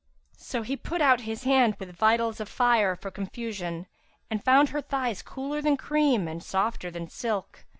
So he put out his hand, with vitals a fire for confusion, and found her thighs cooler than cream and softer than silk.